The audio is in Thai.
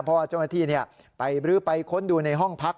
เพราะว่าจุดนัดที่เนี่ยไปรื้อไปค้นดูในห้องพัก